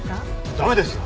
駄目ですよ。